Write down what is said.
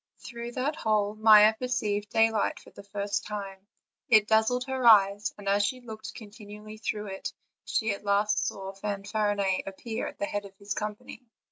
Through that hole Maia perceived daylight for the first time: it dazzled her eyes; and as she looked continually through it, she at last saw Fanfarinet appear at the head of his company.